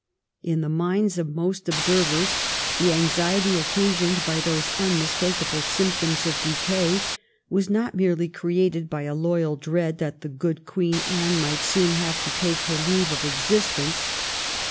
In the minds of most observers the anxiety occasioned by those unmistakable symptoms of decay was not merely created by a loyal dread that the good Queen Anne might soon have to take her leave of existence.